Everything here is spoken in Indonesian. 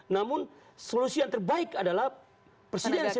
namun solusi yang terbaik dalam penal gakan hukum